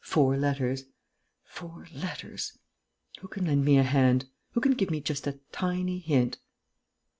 Four letters ... four letters.... Who can lend me a hand?... Who can give me just a tiny hint?...